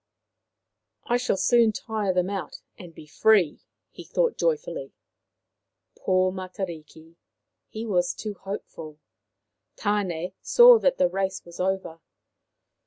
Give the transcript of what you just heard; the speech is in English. " I shall soon tire them out and be free," he thought joyfully. Poor Matariki. He was too hopeful. Tan6 saw that the race was over.